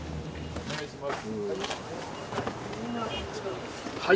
お願いします。